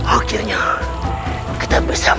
akhirnya kita bersama